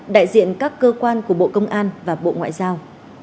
đại diện các cơ quan của bộ công an và bộ ngoại giao